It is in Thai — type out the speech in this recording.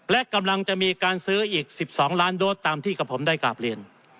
และกำลังจะมีการซื้ออีก๑๒ล้านโดสตามที่กับผมได้กราบเรียน